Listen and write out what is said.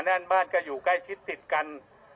นั่นบ้านก็อยู่ใกล้ชิดติดกัน